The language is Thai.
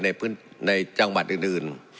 ในจังหวัดอื่น